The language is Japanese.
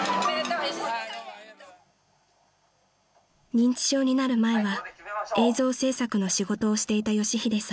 ［認知症になる前は映像制作の仕事をしていた佳秀さん］